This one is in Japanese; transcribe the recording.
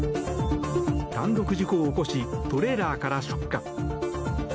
単独事故を起こしトレーラーから出火。